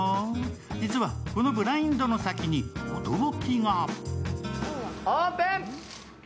実はこのブラインドの先に驚きが。